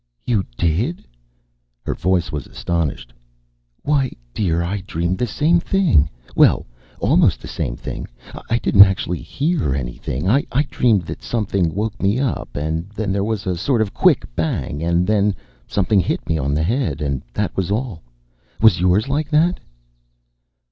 "You did?" Her voice was astonished. "Why, dear, I dreamed the same thing! Well, almost the same thing. I didn't actually hear anything. I dreamed that something woke me up, and then there was a sort of quick bang, and then something hit me on the head. And that was all. Was yours like that?"